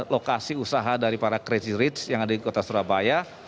lokasi usaha dari para crazy rich yang ada di kota surabaya